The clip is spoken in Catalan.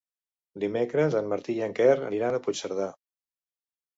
Dimecres en Martí i en Quer aniran a Puigcerdà.